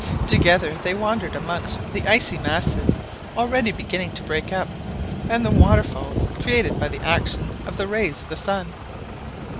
Together they wandered amongst the ice masses, already beginning to break up, and the waterfalls created by the action of the rays of the sun.